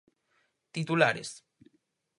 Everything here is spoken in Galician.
Titulares.